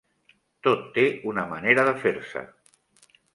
Tot té una manera de fer-se.